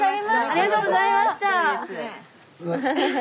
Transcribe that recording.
ありがとうございます。